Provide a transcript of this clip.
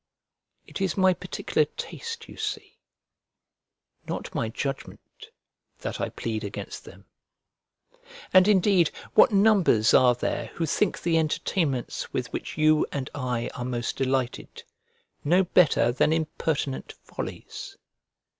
It is my particular taste, you see, not my judgment, that I plead against them. And indeed, what numbers are there who think the entertainments with which you and I are most delighted no better than impertinent follies!